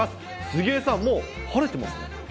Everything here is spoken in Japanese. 杉江さん、もう晴れてますね。